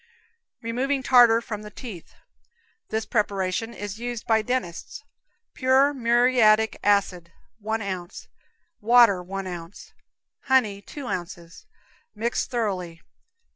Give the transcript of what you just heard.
Removing Tartar from the Teeth. This preparation is used by dentists. Pure muriatic acid, one ounce; water, one ounce; honey, two ounces; mix thoroughly.